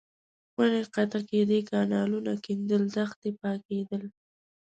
ونې قطع کېدې، کانالونه کېندل، دښتې پاکېدل.